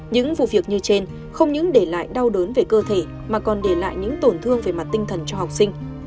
những vụ việc như trên không những để lại đau đớn về cơ thể mà còn để lại những tổn thương về mặt tinh thần cho học sinh